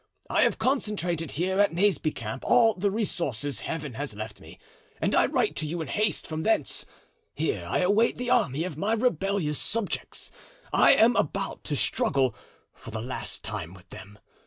I have concentrated here at Naseby camp all the resources Heaven has left me, and I write to you in haste from thence. Here I await the army of my rebellious subjects. I am about to struggle for the last time with them.